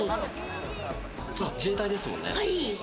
自衛隊ですよね？